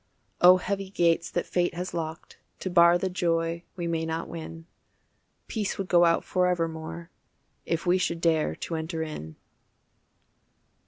Oh heavy gates that fate has locked To bar the joy we may not win, Peace would go out forevermore If we should dare to enter in.